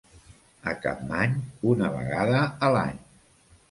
A Capmany, una vegada a l'any.